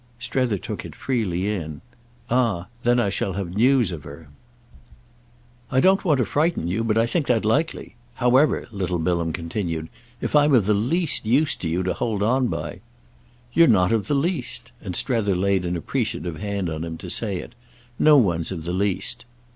Strether took it freely in. "Ah then I shall have news of her." "I don't want to frighten you, but I think that likely. However," little Bilham continued, "if I'm of the least use to you to hold on by—!" "You're not of the least!"—and Strether laid an appreciative hand on him to say it. "No one's of the least."